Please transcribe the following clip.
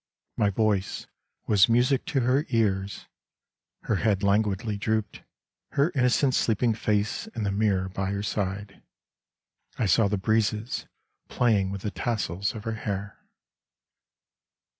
My voice was music to her ears, Her head languidly drooped, Her innocent sleeping face in the mirror by her side : I saw the breezes playing with the tassels of her hair.